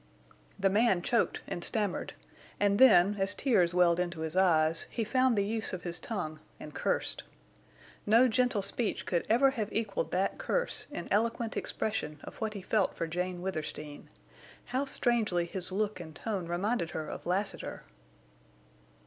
The man choked and stammered, and then, as tears welled into his eyes, he found the use of his tongue and cursed. No gentle speech could ever have equaled that curse in eloquent expression of what he felt for Jane Withersteen. How strangely his look and tone reminded her of Lassiter!